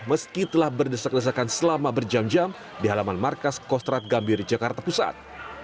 meski telah berdesak desakan selama berjam jam di halaman markas kostrat gambir jakarta pusat